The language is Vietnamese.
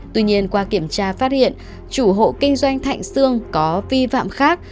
tuy nhiên qua kiểm tra phát hiện chủ hộ kinh doanh thạnh sương có vi phạm khác